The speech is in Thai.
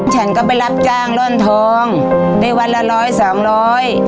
ฉันก็ไปรับจ้างร่อนทองได้วันละร้อยสามร้อย